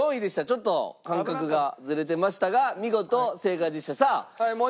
ちょっと感覚がズレてましたが見事正解でした。